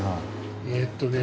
えっとね。